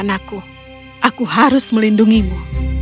aku harus melindungimu